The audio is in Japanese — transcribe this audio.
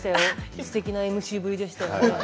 すてきなＭＣぶりでしたね。